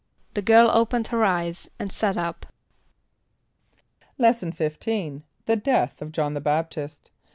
=The girl opened her eyes and sat up.= Lesson XV. The Death of John the Baptist.